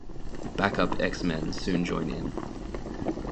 Backup X-Men soon join in.